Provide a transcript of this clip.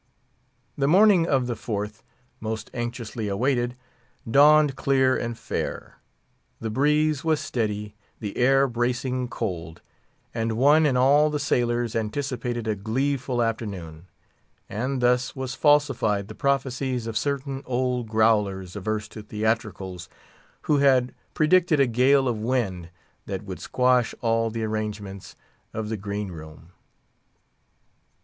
The morning of The Fourth—most anxiously awaited—dawned clear and fair. The breeze was steady; the air bracing cold; and one and all the sailors anticipated a gleeful afternoon. And thus was falsified the prophecies of certain old growlers averse to theatricals, who had predicted a gale of wind that would squash all the arrangements of the green room.